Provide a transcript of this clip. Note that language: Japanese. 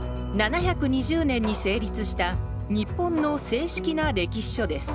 ７２０年に成立した日本の正式な歴史書です。